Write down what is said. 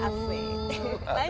lanjut pak dikit lagi